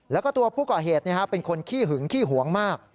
แล้วก็ตัวผู้ก่อเหตุเป็นคนขี้หึงขี้หวงมาก